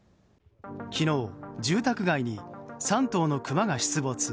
昨日、住宅街に３頭のクマが出没。